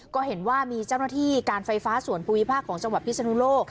ก็เห็นว่ามีเจ้าหน้าที่การไฟฟ้าส่วนภูมิภาคของจังหวัดพิศนุโลก